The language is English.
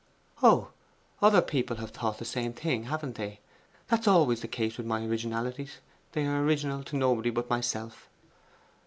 'Oh, other people have thought the same thing, have they? That's always the case with my originalities they are original to nobody but myself.